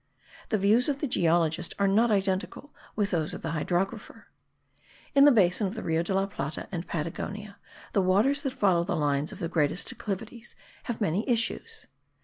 The views of the geologist are not identical with those of the hydrographer. In the basin of the Rio de la Plata and Patagonia the waters that follow the lines of the greatest declivities have many issues.